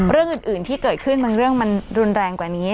เรื่องอื่นที่เกิดขึ้นบางเรื่องมันรุนแรงกว่านี้